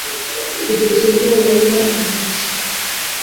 kugeza ubwo wumva inzara ishize